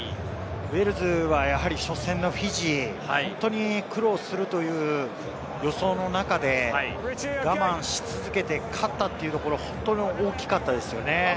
ウェールズはやはり初戦のフィジー、本当に苦労するという予想の中で我慢し続けて勝ったというところ、本当に大きかったですよね。